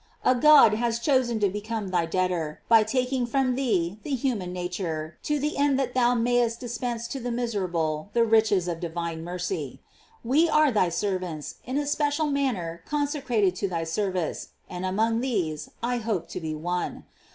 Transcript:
A God has chosen to become thy debtor, by taking from thee the human nature to the end that thou mayest dispense to the mis erable the riches of divine mercy. We are thy servants, in a special manner consecrated to thy service, and among these I hope to be one.